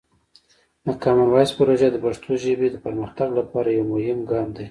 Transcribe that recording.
د کامن وایس پروژه د پښتو ژبې پرمختګ لپاره یوه مهمه ګام دی.